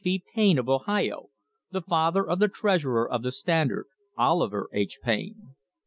B. Payne of Ohio, the father of the treasurer of the Standard, Oliver H. Payne.